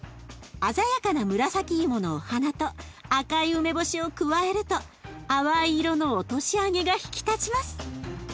鮮やかな紫芋のお花と赤い梅干しを加えると淡い色の落とし揚げが引き立ちます。